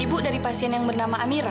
ibu dari pasien yang bernama amiro